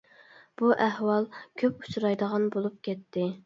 بۇ ئەھۋال كۆپ ئۇچرايدىغان بولۇپ كەتتى.